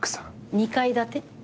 ３階建て？